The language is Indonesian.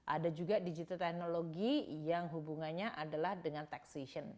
ada juga digital technology yang hubungannya adalah dengan taxation